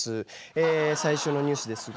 え最初のニュースですが。